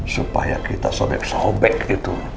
supaya kita sobek sobek gitu